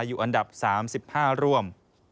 อยู่อันดับ๓๕ร่วม